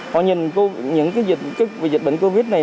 họ nhìn những dịch bệnh covid này